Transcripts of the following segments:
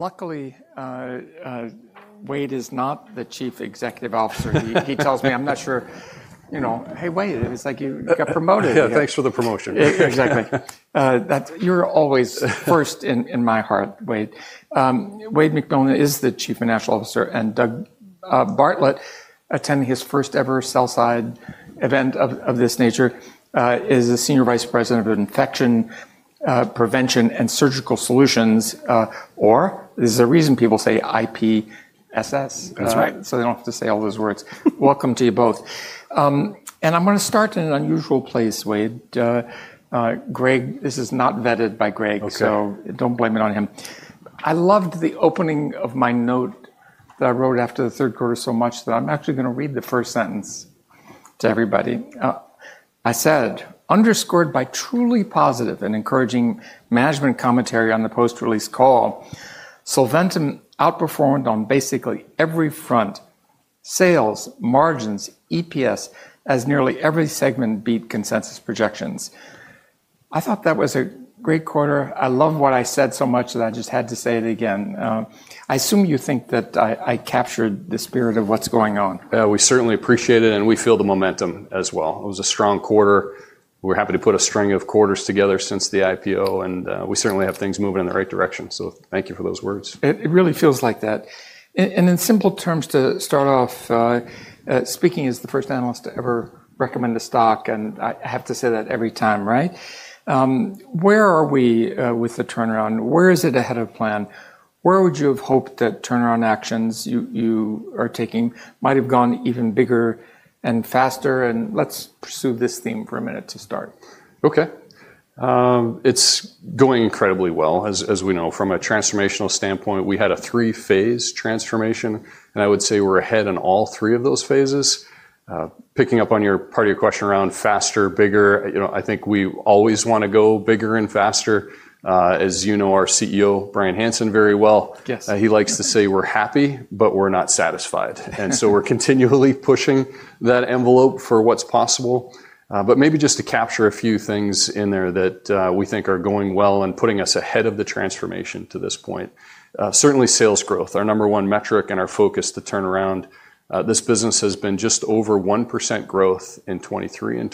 Luckily, Wayde is not the Chief Executive Officer. He tells me, "I'm not sure, you know, hey, Wayde, it's like you got promoted. Yeah, thanks for the promotion. Exactly. You're always first in my heart, Wayde. Wayde McMillan is the Chief Financial Officer, and Doug Bartlett, attending his first ever sell-side event of this nature, is the Senior Vice President of Infection Prevention and Surgical Solutions, or there's a reason people say IPSS. That's right, so they do not have to say all those words. Welcome to you both. I am going to start in an unusual place, Wayde. Greg, this is not vetted by Greg, so do not blame it on him. I loved the opening of my note that I wrote after the third quarter so much that I am actually going to read the first sentence to everybody. I said, "Underscored by truly positive and encouraging management commentary on the post-release call, Solventum outperformed on basically every front: sales, margins, EPS, as nearly every segment beat consensus projections." I thought that was a great quarter. I love what I said so much that I just had to say it again. I assume you think that I captured the spirit of what's going on. We certainly appreciate it, and we feel the momentum as well. It was a strong quarter. We're happy to put a string of quarters together since the IPO, and we certainly have things moving in the right direction. Thank you for those words. It really feels like that. In simple terms, to start off, speaking as the first analyst to ever recommend a stock, and I have to say that every time, right? Where are we with the turnaround? Where is it ahead of plan? Where would you have hoped that turnaround actions you are taking might have gone even bigger and faster? Let's pursue this theme for a minute to start. Okay. It's going incredibly well, as we know. From a transformational standpoint, we had a three-phase transformation, and I would say we're ahead in all three of those phases. Picking up on your part of your question around faster, bigger, you know, I think we always want to go bigger and faster. As you know, our CEO, Bryan Hanson, very well, he likes to say, "We're happy, but we're not satisfied." We're continually pushing that envelope for what's possible. Maybe just to capture a few things in there that we think are going well and putting us ahead of the transformation to this point. Certainly, sales growth, our number one metric and our focus to turn around this business has been just over 1% growth in 2023 and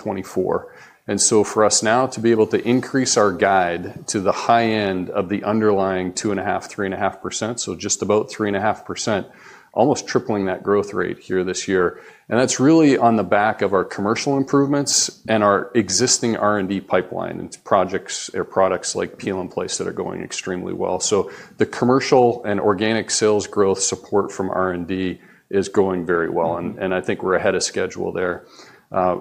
2024. For us now to be able to increase our guide to the high end of the underlying 2.5%-3.5%, just about 3.5%, almost tripling that growth rate here this year. That is really on the back of our commercial improvements and our existing R&D pipeline and projects or products like Peel and Place that are going extremely well. The commercial and organic sales growth support from R&D is going very well, and I think we are ahead of schedule there.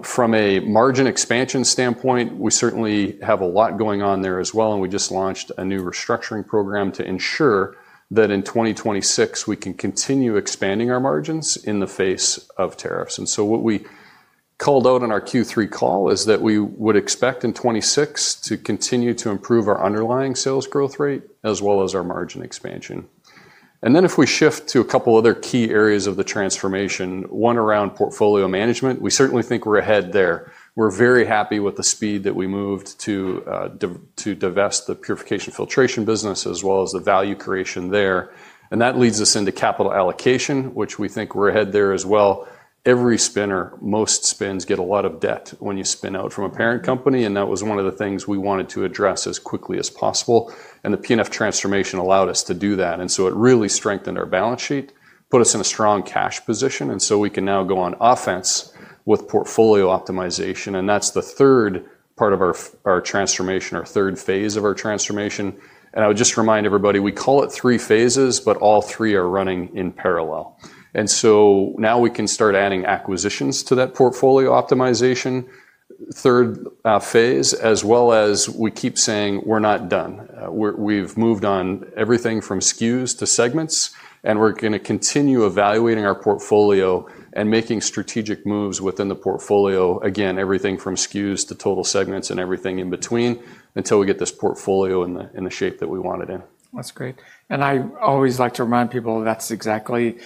From a margin expansion standpoint, we certainly have a lot going on there as well, and we just launched a new restructuring program to ensure that in 2026 we can continue expanding our margins in the face of tariffs. What we called out on our Q3 call is that we would expect in 2026 to continue to improve our underlying sales growth rate as well as our margin expansion. If we shift to a couple other key areas of the transformation, one around portfolio management, we certainly think we are ahead there. We are very happy with the speed that we moved to divest the purification filtration business as well as the value creation there. That leads us into capital allocation, which we think we are ahead there as well. Every spinner, most spins get a lot of debt when you spin out from a parent company, and that was one of the things we wanted to address as quickly as possible. The P&F transformation allowed us to do that. It really strengthened our balance sheet, put us in a strong cash position, and we can now go on offense with portfolio optimization. That is the third part of our transformation, our third phase of our transformation. I would just remind everybody, we call it three phases, but all three are running in parallel. Now we can start adding acquisitions to that portfolio optimization, third phase, as well as we keep saying we're not done. We've moved on everything from SKUs to segments, and we're going to continue evaluating our portfolio and making strategic moves within the portfolio, again, everything from SKUs to total segments and everything in between until we get this portfolio in the shape that we want it in. That's great. I always like to remind people that's exactly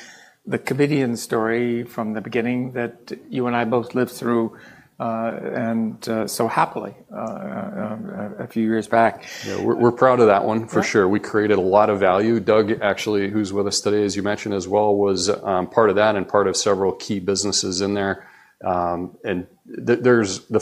the comedian story from the beginning that you and I both lived through and so happily a few years back. We're proud of that one for sure. We created a lot of value. Doug, actually, who's with us today, as you mentioned as well, was part of that and part of several key businesses in there. The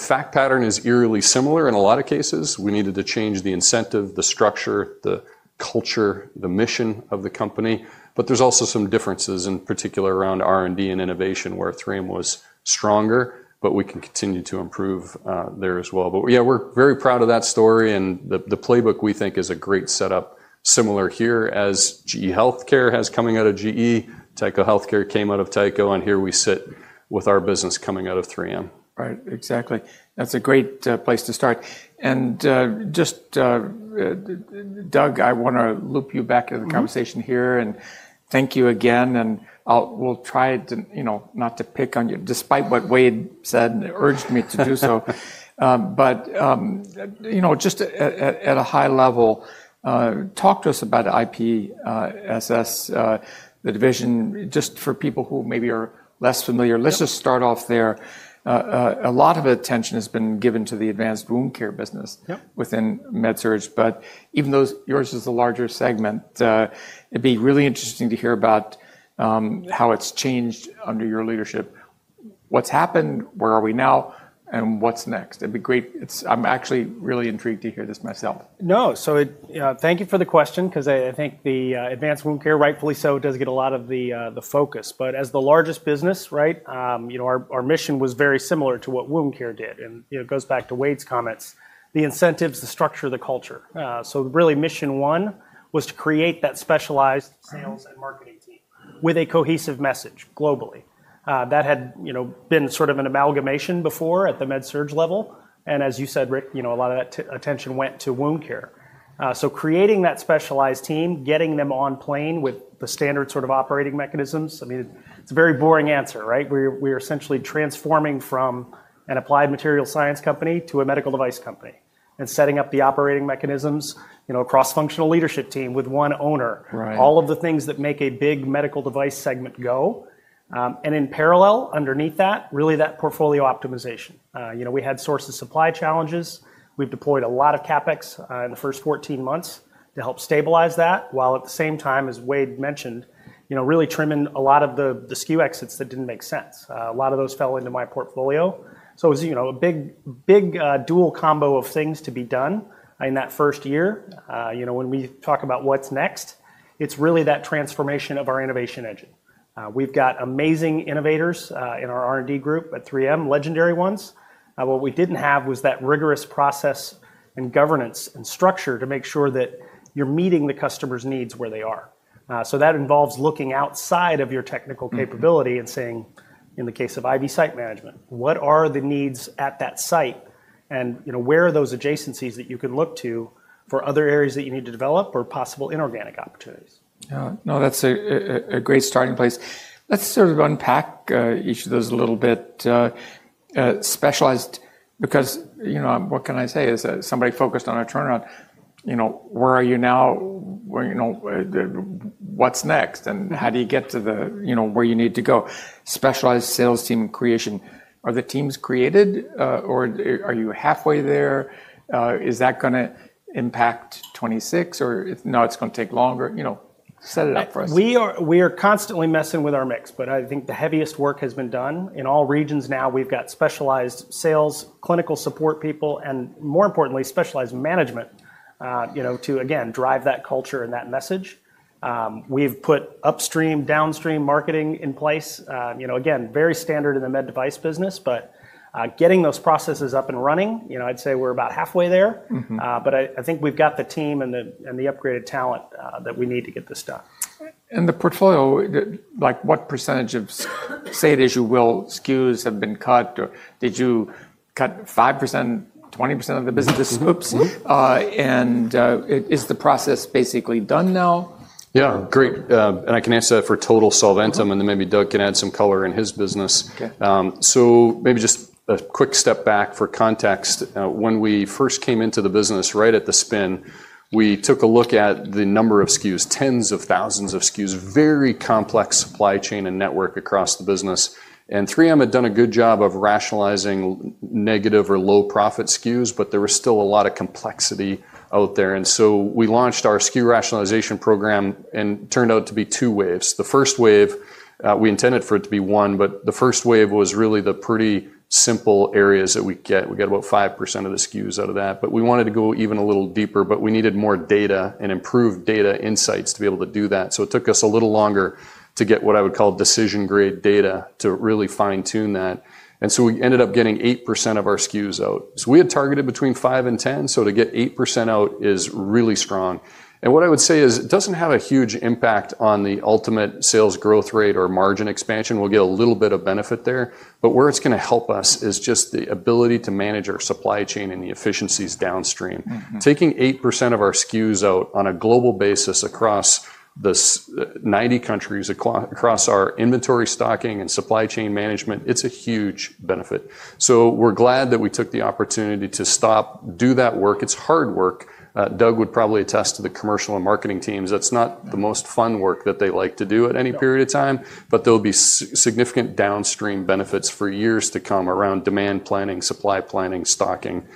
fact pattern is eerily similar in a lot of cases. We needed to change the incentive, the structure, the culture, the mission of the company. There's also some differences in particular around R&D and innovation where 3M was stronger, but we can continue to improve there as well. Yeah, we're very proud of that story, and the playbook we think is a great setup, similar here as GE HealthCare has coming out of GE, Tyco Healthcare came out of Tyco, and here we sit with our business coming out of 3M. Right, exactly. That's a great place to start. Just, Doug, I want to loop you back in the conversation here and thank you again. We'll try to, you know, not to pick on you, despite what Wayde said and urged me to do so. You know, just at a high level, talk to us about IPSS, the division, just for people who maybe are less familiar. Let's just start off there. A lot of attention has been given to the advanced wound care business within MedSurge, but even though yours is the larger segment, it'd be really interesting to hear about how it's changed under your leadership. What's happened? Where are we now? What's next? It'd be great. I'm actually really intrigued to hear this myself. No, thank you for the question because I think the advanced wound care, rightfully so, does get a lot of the focus. As the largest business, right, you know, our mission was very similar to what wound care did. It goes back to Wayde's comments, the incentives, the structure, the culture. Really mission one was to create that specialized sales and marketing team with a cohesive message globally. That had been sort of an amalgamation before at the MedSurge level. As you said, Rick, you know, a lot of that attention went to wound care. Creating that specialized team, getting them on plane with the standard sort of operating mechanisms. I mean, it's a very boring answer, right? We're essentially transforming from an applied materials science company to a medical device company and setting up the operating mechanisms, you know, a cross-functional leadership team with one owner, all of the things that make a big medical device segment go. In parallel, underneath that, really that portfolio optimization. You know, we had source of supply challenges. We've deployed a lot of CapEx in the first 14 months to help stabilize that, while at the same time, as Wayde mentioned, you know, really trimming a lot of the SKU exits that didn't make sense. A lot of those fell into my portfolio. It was, you know, a big, big dual combo of things to be done in that first year. You know, when we talk about what's next, it's really that transformation of our innovation engine. We've got amazing innovators in our R&D group at 3M, legendary ones. What we didn't have was that rigorous process and governance and structure to make sure that you're meeting the customer's needs where they are. That involves looking outside of your technical capability and saying, in the case of IV site management, what are the needs at that site? And, you know, where are those adjacencies that you can look to for other areas that you need to develop or possible inorganic opportunities? Yeah, no, that's a great starting place. Let's sort of unpack each of those a little bit. Specialized, because, you know, what can I say is somebody focused on a turnaround, you know, where are you now? You know, what's next? And how do you get to the, you know, where you need to go? Specialized sales team creation. Are the teams created or are you halfway there? Is that going to impact '26 or no, it's going to take longer? You know, set it up for us. We are constantly messing with our mix, but I think the heaviest work has been done in all regions now. We've got specialized sales, clinical support people, and more importantly, specialized management, you know, to, again, drive that culture and that message. We've put upstream, downstream marketing in place. You know, again, very standard in the med device business, but getting those processes up and running, you know, I'd say we're about halfway there. I think we've got the team and the upgraded talent that we need to get this done. The portfolio, like what percentage of, say it as you will, SKUs have been cut? Did you cut 5%, 20% of the business? Oops. Is the process basically done now? Yeah, great. I can answer that for total Solventum, and then maybe Doug can add some color in his business. Maybe just a quick step back for context. When we first came into the business, right at the spin, we took a look at the number of SKUs, tens of thousands of SKUs, very complex supply chain and network across the business. 3M had done a good job of rationalizing negative or low profit SKUs, but there was still a lot of complexity out there. We launched our SKU rationalization program and it turned out to be two waves. The first wave, we intended for it to be one, but the first wave was really the pretty simple areas that we get. We got about 5% of the SKUs out of that, but we wanted to go even a little deeper, but we needed more data and improved data insights to be able to do that. It took us a little longer to get what I would call decision grade data to really fine-tune that. We ended up getting 8% of our SKUs out. We had targeted between 5 and 10, so to get 8% out is really strong. What I would say is it does not have a huge impact on the ultimate sales growth rate or margin expansion. We will get a little bit of benefit there, but where it is going to help us is just the ability to manage our supply chain and the efficiencies downstream. Taking 8% of our SKUs out on a global basis across the 90 countries, across our inventory stocking and supply chain management, it's a huge benefit. We are glad that we took the opportunity to stop, do that work. It's hard work. Doug would probably attest to the commercial and marketing teams. That's not the most fun work that they like to do at any period of time, but there will be significant downstream benefits for years to come around demand planning, supply planning, stocking.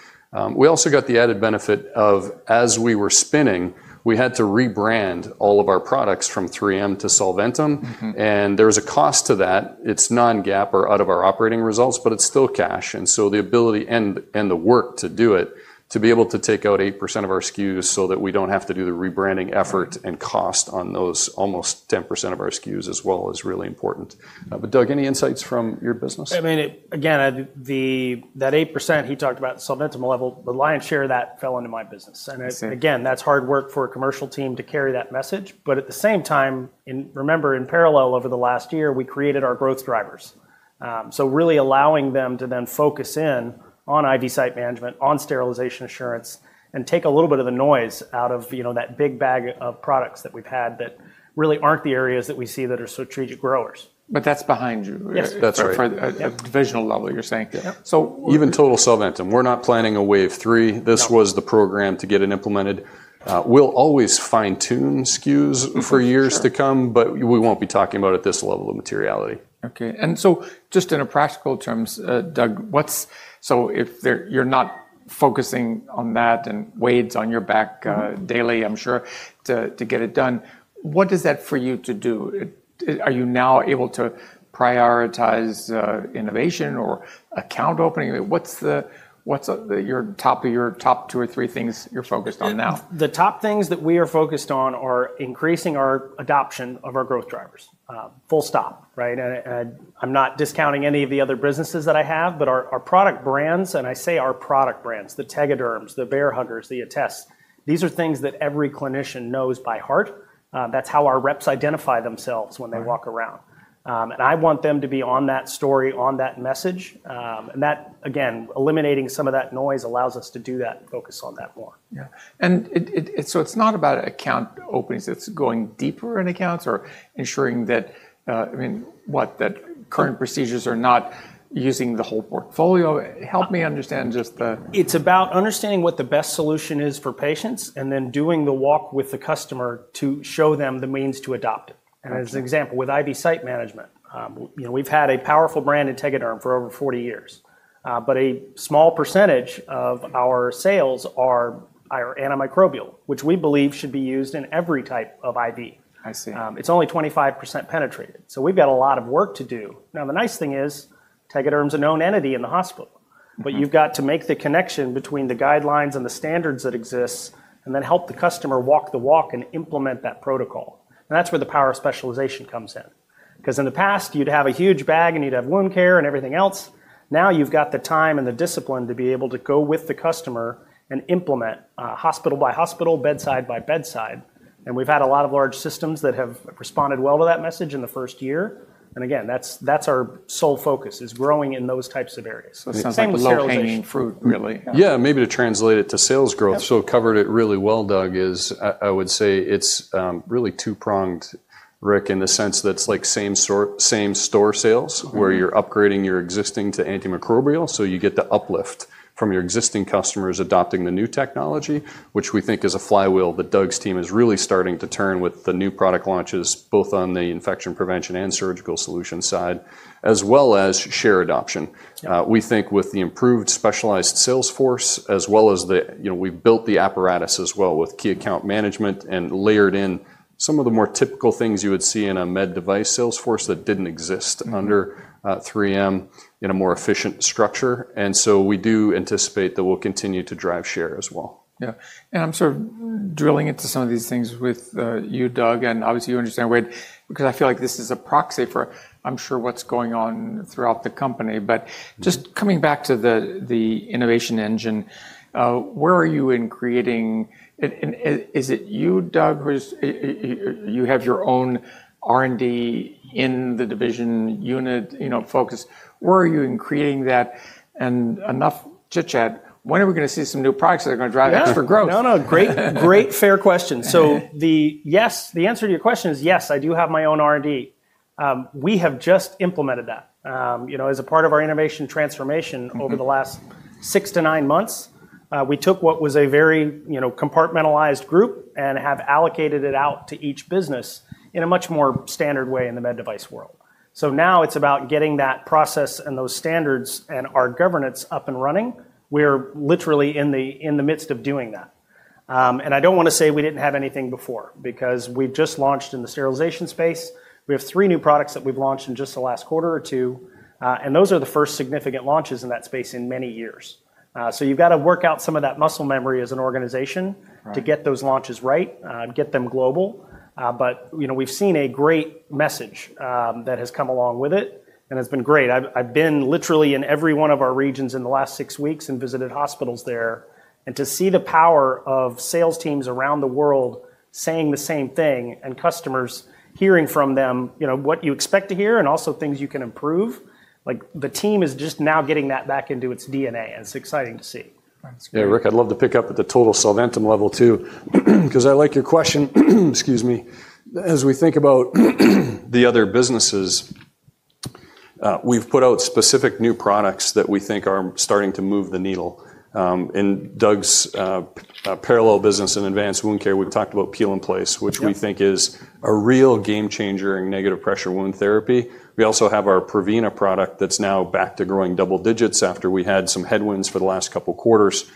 We also got the added benefit of, as we were spinning, we had to rebrand all of our products from 3M to Solventum. There was a cost to that. It's non-GAAP or out of our operating results, but it's still cash. The ability and the work to do it, to be able to take out 8% of our SKUs so that we do not have to do the rebranding effort and cost on those, almost 10% of our SKUs as well, is really important. Doug, any insights from your business? I mean, again, that 8% he talked about at the Solventum level, the lion's share of that fell into my business. And again, that's hard work for a commercial team to carry that message. But at the same time, remember, in parallel over the last year, we created our growth drivers. So really allowing them to then focus in on IV site management, on sterilization assurance, and take a little bit of the noise out of, you know, that big bag of products that we've had that really aren't the areas that we see that are strategic growers. That's behind you. That's right. At the divisional level, you're saying. Even total Solventum, we're not planning a wave three. This was the program to get it implemented. We'll always fine-tune SKUs for years to come, but we won't be talking about it at this level of materiality. Okay. In practical terms, Doug, what's, so if you're not focusing on that and Wayde's on your back daily, I'm sure, to get it done, what does that for you to do? Are you now able to prioritize innovation or account opening? What's your top of your top two or three things you're focused on now? The top things that we are focused on are increasing our adoption of our growth drivers. Full stop, right? I'm not discounting any of the other businesses that I have, but our product brands, and I say our product brands, the Tegaderms, the Bear Huggers, the Attest, these are things that every clinician knows by heart. That is how our reps identify themselves when they walk around. I want them to be on that story, on that message. That, again, eliminating some of that noise allows us to do that, focus on that more. Yeah. It is not about account openings. It is going deeper in accounts or ensuring that, I mean, what, that current procedures are not using the whole portfolio. Help me understand just the. It's about understanding what the best solution is for patients and then doing the walk with the customer to show them the means to adopt it. As an example, with IV site management, you know, we've had a powerful brand in Tegaderm for over 40 years, but a small percentage of our sales are antimicrobial, which we believe should be used in every type of IV. I see. It's only 25% penetrated. We have a lot of work to do. The nice thing is Tegaderm's a known entity in the hospital, but you have to make the connection between the guidelines and the standards that exist and then help the customer walk the walk and implement that protocol. That is where the power of specialization comes in. In the past, you would have a huge bag and you would have wound care and everything else. Now you have the time and the discipline to be able to go with the customer and implement hospital by hospital, bedside by bedside. We have had a lot of large systems that have responded well to that message in the first year. That is our sole focus, growing in those types of areas. The same for lower hanging fruit, really. Yeah, maybe to translate it to sales growth. Doug covered it really well. I would say it's really two-pronged, Rick, in the sense that it's like same store sales where you're upgrading your existing to antimicrobial. You get the uplift from your existing customers adopting the new technology, which we think is a flywheel that Doug's team is really starting to turn with the new product launches, both on the infection prevention and surgical solution side, as well as share adoption. We think with the improved specialized sales force, as well as the, you know, we've built the apparatus as well with key account management and layered in some of the more typical things you would see in a med device sales force that didn't exist under 3M in a more efficient structure. We do anticipate that we'll continue to drive share as well. Yeah. I am sort of drilling into some of these things with you, Doug, and obviously you understand, because I feel like this is a proxy for, I am sure, what is going on throughout the company. Just coming back to the innovation engine, where are you in creating? Is it you, Doug, who you have your own R&D in the division unit, you know, focus? Where are you in creating that? Enough chit chat, when are we going to see some new products that are going to drive extra growth? No, no, great, great fair question. Yes, the answer to your question is yes, I do have my own R&D. We have just implemented that, you know, as a part of our innovation transformation over the last six to nine months. We took what was a very, you know, compartmentalized group and have allocated it out to each business in a much more standard way in the med device world. Now it's about getting that process and those standards and our governance up and running. We're literally in the midst of doing that. I don't want to say we didn't have anything before because we've just launched in the sterilization space. We have three new products that we've launched in just the last quarter or two. Those are the first significant launches in that space in many years. You have got to work out some of that muscle memory as an organization to get those launches right, get them global. You know, we have seen a great message that has come along with it and has been great. I have been literally in every one of our regions in the last six weeks and visited hospitals there. To see the power of sales teams around the world saying the same thing and customers hearing from them, you know, what you expect to hear and also things you can improve, like the team is just now getting that back into its DNA. It is exciting to see. Yeah, Rick, I'd love to pick up at the total Solventum level too, because I like your question. Excuse me. As we think about the other businesses, we've put out specific new products that we think are starting to move the needle. In Doug's parallel business in advanced wound care, we've talked about Peel and Place, which we think is a real game changer in negative pressure wound therapy. We also have our Prevena product that's now back to growing double digits after we had some headwinds for the last couple of quarters.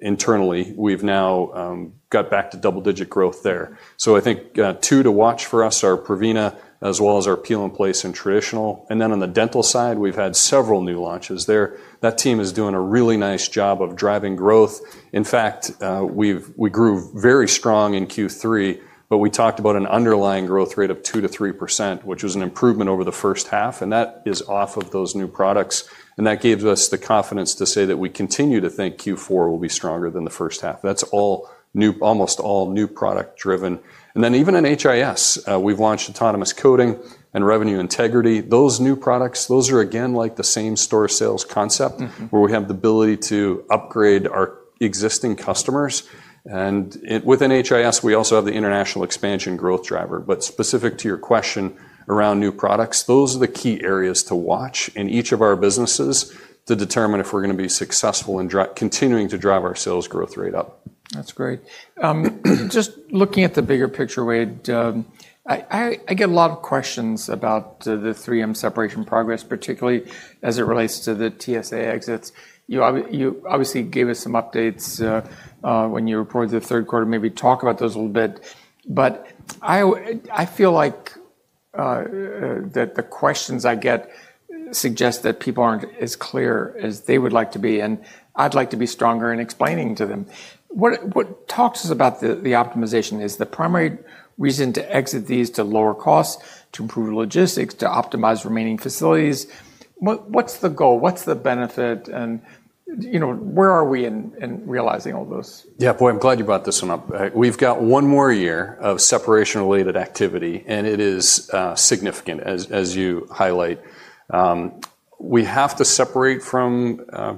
Internally, we've now got back to double digit growth there. I think two to watch for us are Prevena, as well as our Peel and Place and traditional. On the dental side, we've had several new launches there. That team is doing a really nice job of driving growth. In fact, we grew very strong in Q3, but we talked about an underlying growth rate of 2%-3%, which was an improvement over the first half. That is off of those new products. That gives us the confidence to say that we continue to think Q4 will be stronger than the first half. That is all new, almost all new product driven. Even in HIS, we have launched autonomous coding and revenue integrity. Those new products, those are again like the same store sales concept where we have the ability to upgrade our existing customers. Within HIS, we also have the international expansion growth driver. Specific to your question around new products, those are the key areas to watch in each of our businesses to determine if we are going to be successful in continuing to drive our sales growth rate up. That's great. Just looking at the bigger picture, Wayde, I get a lot of questions about the 3M separation progress, particularly as it relates to the TSA exits. You obviously gave us some updates when you reported the third quarter, maybe talk about those a little bit. I feel like the questions I get suggest that people aren't as clear as they would like to be. I'd like to be stronger in explaining to them. What talks us about the optimization is the primary reason to exit these to lower costs, to improve logistics, to optimize remaining facilities. What's the goal? What's the benefit? You know, where are we in realizing all those? Yeah, boy, I'm glad you brought this one up. We've got one more year of separation-related activity, and it is significant, as you highlight. We have to separate from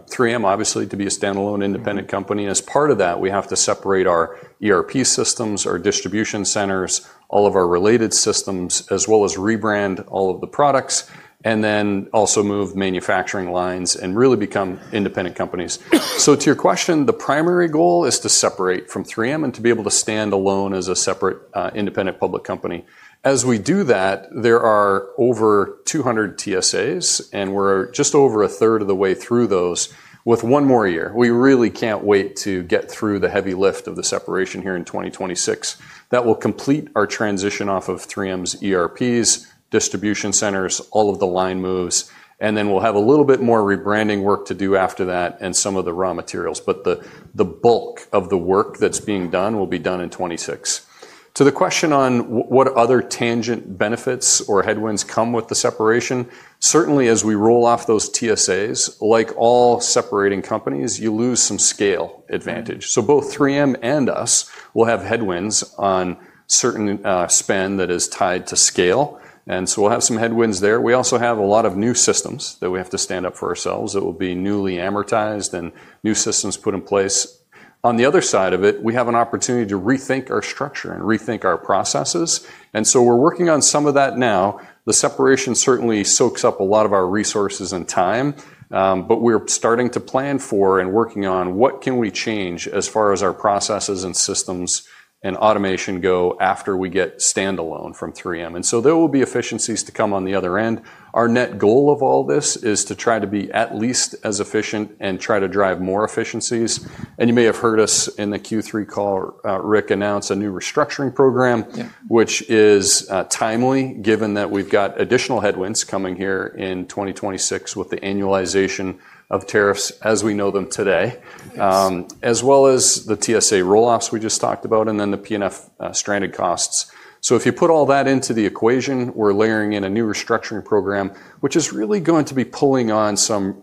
3M, obviously, to be a standalone independent company. As part of that, we have to separate our ERP systems, our distribution centers, all of our related systems, as well as rebrand all of the products, and then also move manufacturing lines and really become independent companies. To your question, the primary goal is to separate from 3M and to be able to stand alone as a separate independent public company. As we do that, there are over 200 TSAs, and we're just over a third of the way through those with one more year. We really can't wait to get through the heavy lift of the separation here in 2026. That will complete our transition off of 3M's ERPs, distribution centers, all of the line moves. Then we'll have a little bit more rebranding work to do after that and some of the raw materials. The bulk of the work that's being done will be done in 2026. To the question on what other tangent benefits or headwinds come with the separation, certainly as we roll off those TSAs, like all separating companies, you lose some scale advantage. Both 3M and us will have headwinds on certain spend that is tied to scale. We'll have some headwinds there. We also have a lot of new systems that we have to stand up for ourselves that will be newly amortized and new systems put in place. On the other side of it, we have an opportunity to rethink our structure and rethink our processes. We're working on some of that now. The separation certainly soaks up a lot of our resources and time, but we're starting to plan for and working on what can we change as far as our processes and systems and automation go after we get standalone from 3M. There will be efficiencies to come on the other end. Our net goal of all this is to try to be at least as efficient and try to drive more efficiencies. You may have heard us in the Q3 call, Rick announced a new restructuring program, which is timely given that we've got additional headwinds coming here in 2026 with the annualization of tariffs as we know them today, as well as the TSA roll-offs we just talked about and then the P&F stranded costs. If you put all that into the equation, we're layering in a new restructuring program, which is really going to be pulling on some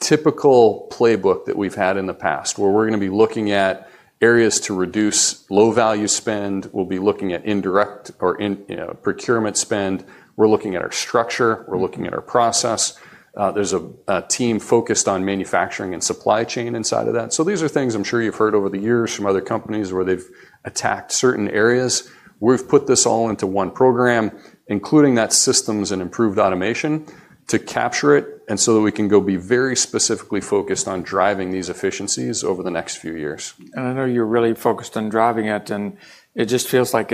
typical playbook that we've had in the past, where we're going to be looking at areas to reduce low value spend. We'll be looking at indirect or procurement spend. We're looking at our structure. We're looking at our process. There's a team focused on manufacturing and supply chain inside of that. These are things I'm sure you've heard over the years from other companies where they've attacked certain areas. We've put this all into one program, including that systems and improved automation to capture it and so that we can go be very specifically focused on driving these efficiencies over the next few years. I know you're really focused on driving it, and it just feels like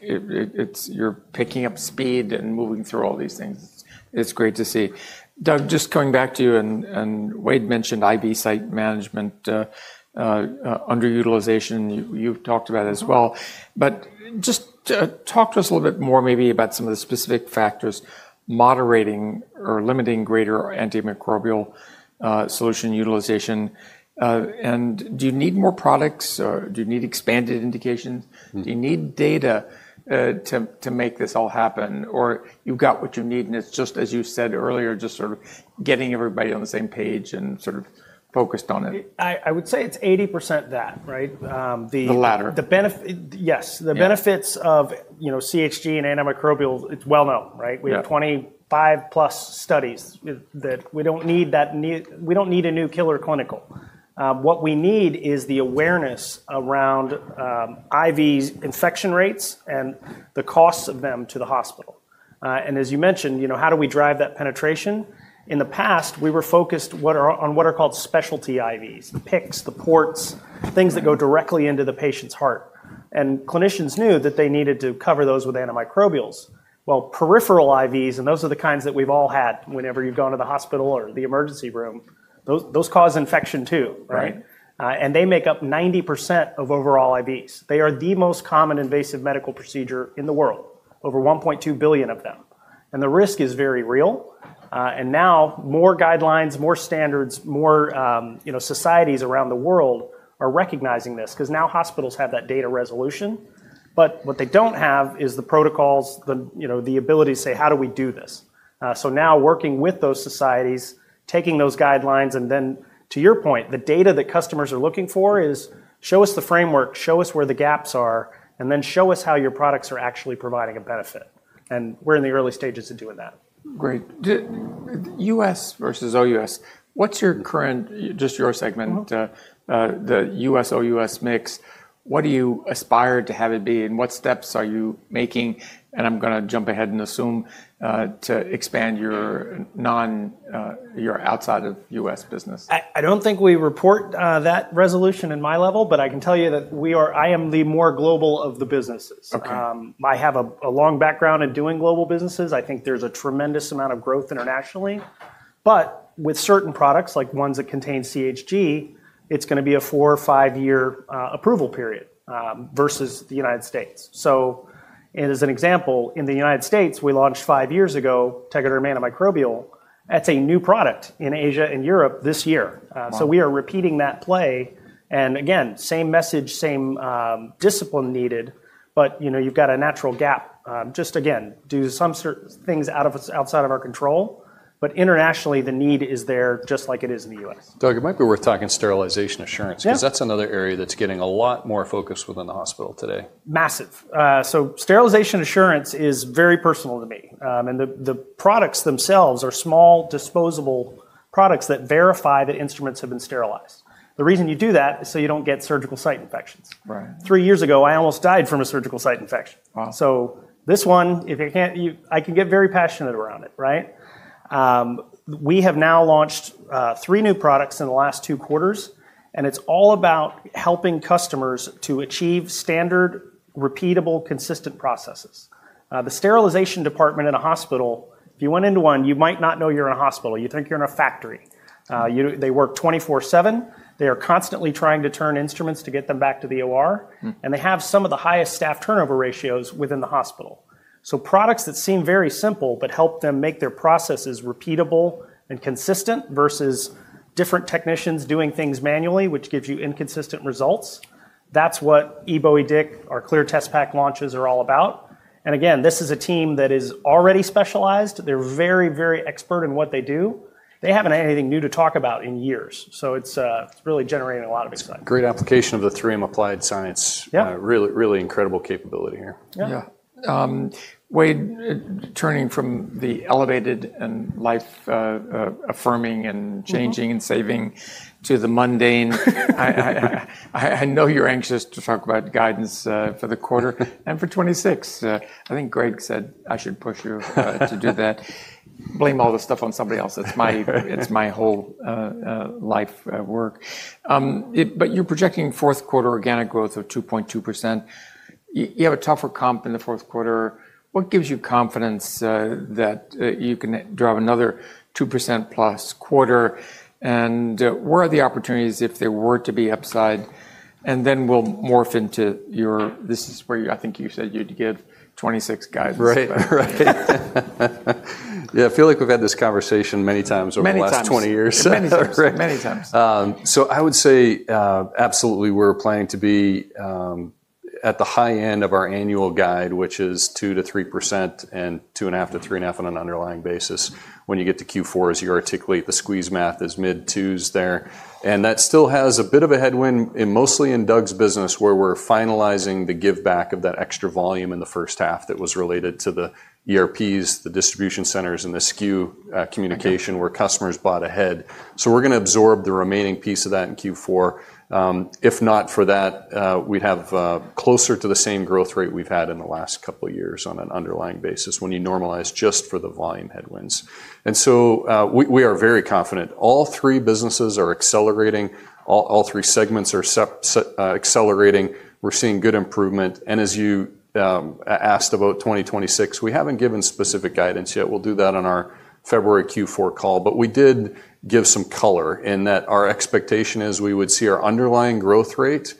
you're picking up speed and moving through all these things. It's great to see. Doug, just going back to you, and Wayde mentioned IV site management underutilization. You've talked about it as well. Just talk to us a little bit more maybe about some of the specific factors moderating or limiting greater antimicrobial solution utilization. Do you need more products? Do you need expanded indications? Do you need data to make this all happen? Or you've got what you need, and it's just, as you said earlier, just sort of getting everybody on the same page and sort of focused on it. I would say it's 80% that, right? The latter. The benefit, yes. The benefits of, you know, CHG and antimicrobial, it's well known, right? We have 25 plus studies that we don't need that. We don't need a new killer clinical. What we need is the awareness around IV infection rates and the costs of them to the hospital. As you mentioned, you know, how do we drive that penetration? In the past, we were focused on what are called specialty IVs, the PICCs, the ports, things that go directly into the patient's heart. Clinicians knew that they needed to cover those with antimicrobials. Peripheral IVs, and those are the kinds that we've all had whenever you've gone to the hospital or the emergency room, those cause infection too, right? They make up 90% of overall IVs. They are the most common invasive medical procedure in the world, over 1.2 billion of them. The risk is very real. Now more guidelines, more standards, more, you know, societies around the world are recognizing this because now hospitals have that data resolution. What they do not have is the protocols, the, you know, the ability to say, how do we do this? Now working with those societies, taking those guidelines, and then to your point, the data that customers are looking for is show us the framework, show us where the gaps are, and then show us how your products are actually providing a benefit. We are in the early stages of doing that. Great. U.S. versus O.U.S., what's your current, just your segment, the U.S. O.U.S. mix, what do you aspire to have it be and what steps are you making? I'm going to jump ahead and assume to expand your outside of U.S. business. I don't think we report that resolution in my level, but I can tell you that we are, I am the more global of the businesses. I have a long background in doing global businesses. I think there's a tremendous amount of growth internationally. With certain products like ones that contain CHG, it's going to be a four- or five-year approval period versus the United States. As an example, in the United States, we launched five years ago Tegaderm antimicrobial. That's a new product in Asia and Europe this year. We are repeating that play. Again, same message, same discipline needed, but you know, you've got a natural gap. Just again, do some things outside of our control, but internationally the need is there just like it is in the US. Doug, it might be worth talking sterilization assurance because that's another area that's getting a lot more focus within the hospital today. Massive. Sterilization assurance is very personal to me. The products themselves are small disposable products that verify that instruments have been sterilized. The reason you do that is so you do not get surgical site infections. Three years ago, I almost died from a surgical site infection. This one, if you cannot, I can get very passionate around it, right? We have now launched three new products in the last two quarters, and it is all about helping customers to achieve standard, repeatable, consistent processes. The sterilization department in a hospital, if you went into one, you might not know you are in a hospital. You think you are in a factory. They work 24/7. They are constantly trying to turn instruments to get them back to the OR. They have some of the highest staff turnover ratios within the hospital. Products that seem very simple, but help them make their processes repeatable and consistent versus different technicians doing things manually, which gives you inconsistent results. That is what e-Bowie Dick or Clear Test Pack launches are all about. Again, this is a team that is already specialized. They are very, very expert in what they do. They have not had anything new to talk about in years. It is really generating a lot of excitement. Great application of the 3M applied science. Really, really incredible capability here. Yeah. Wayde, turning from the elevated and life-affirming and changing and saving to the mundane, I know you're anxious to talk about guidance for the quarter and for 2026. I think Greg said I should push you to do that. Blame all the stuff on somebody else. It's my whole life work. But you're projecting fourth quarter organic growth of 2.2%. You have a tougher comp in the fourth quarter. What gives you confidence that you can drive another 2% plus quarter? Where are the opportunities if there were to be upside? Then we'll morph into your, this is where I think you said you'd give 2026 guidance. Right. Yeah, I feel like we've had this conversation many times over the last 20 years. Many times. I would say absolutely we're planning to be at the high end of our annual guide, which is 2%-3% and 2.5%-3.5% on an underlying basis when you get to Q4 as you articulate the squeeze math as mid-two's there. That still has a bit of a headwind mostly in Doug's business where we're finalizing the give back of that extra volume in the first half that was related to the ERPs, the distribution centers, and the SKU communication where customers bought ahead. We're going to absorb the remaining piece of that in Q4. If not for that, we'd have closer to the same growth rate we've had in the last couple of years on an underlying basis when you normalize just for the volume headwinds. We are very confident. All three businesses are accelerating. All three segments are accelerating. We're seeing good improvement. As you asked about 2026, we haven't given specific guidance yet. We'll do that on our February Q4 call, but we did give some color in that our expectation is we would see our underlying growth rate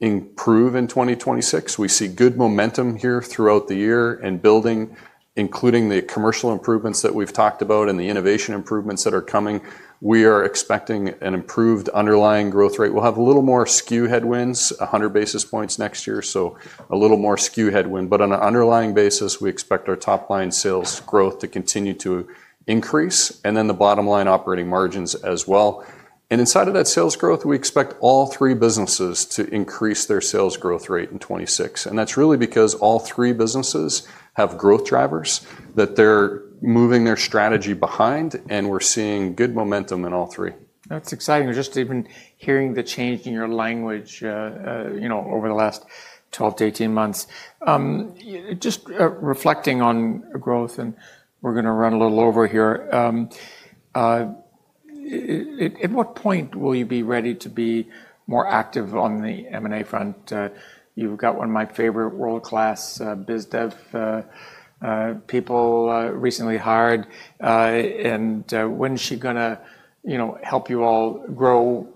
improve in 2026. We see good momentum here throughout the year and building, including the commercial improvements that we've talked about and the innovation improvements that are coming. We are expecting an improved underlying growth rate. We'll have a little more SKU headwinds, 100 basis points next year, so a little more SKU headwind. On an underlying basis, we expect our top line sales growth to continue to increase and then the bottom line operating margins as well. Inside of that sales growth, we expect all three businesses to increase their sales growth rate in 2026. That is really because all three businesses have growth drivers that they are moving their strategy behind, and we are seeing good momentum in all three. That's exciting. Just even hearing the change in your language, you know, over the last 12 to 18 months, just reflecting on growth, and we're going to run a little over here. At what point will you be ready to be more active on the M&A front? You've got one of my favorite world-class biz dev people recently hired. And when is she going to, you know, help you all grow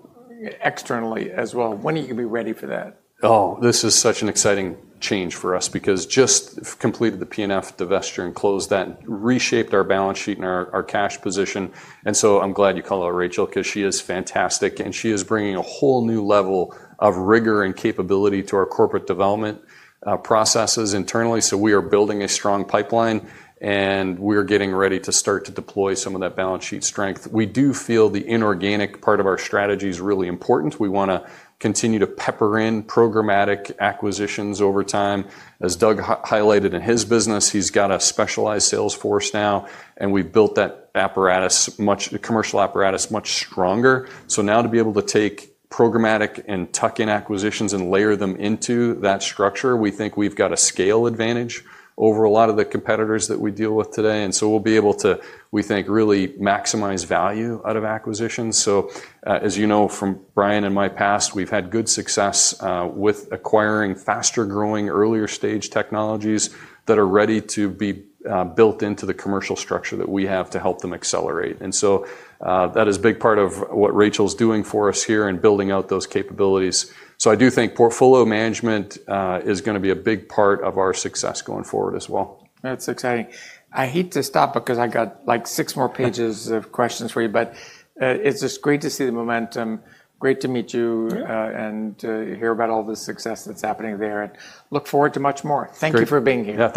externally as well? When are you going to be ready for that? Oh, this is such an exciting change for us because just completed the P&F divesture and closed that, reshaped our balance sheet and our cash position. I am glad you call out Rachel because she is fantastic. She is bringing a whole new level of rigor and capability to our corporate development processes internally. We are building a strong pipeline, and we are getting ready to start to deploy some of that balance sheet strength. We do feel the inorganic part of our strategy is really important. We want to continue to pepper in programmatic acquisitions over time. As Doug highlighted in his business, he has got a specialized sales force now, and we have built that apparatus, commercial apparatus, much stronger. Now to be able to take programmatic and tuck in acquisitions and layer them into that structure, we think we've got a scale advantage over a lot of the competitors that we deal with today. We'll be able to, we think, really maximize value out of acquisitions. As you know from Bryan and my past, we've had good success with acquiring faster growing earlier stage technologies that are ready to be built into the commercial structure that we have to help them accelerate. That is a big part of what Rachel's doing for us here and building out those capabilities. I do think portfolio management is going to be a big part of our success going forward as well. That's exciting. I hate to stop because I got like six more pages of questions for you, but it's just great to see the momentum. Great to meet you and hear about all the success that's happening there and look forward to much more. Thank you for being here.